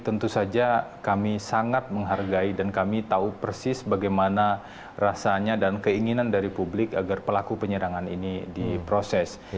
tentu saja kami sangat menghargai dan kami tahu persis bagaimana rasanya dan keinginan dari publik agar pelaku penyerangan ini diproses